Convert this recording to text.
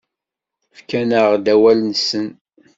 Fkan-aɣ-d awal-nsen.